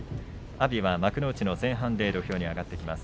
阿炎は幕内の前半で土俵に上がってきます。